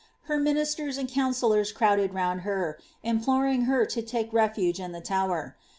Her ministers and councillors crowded round her, imploring her to take refuge in the Tower.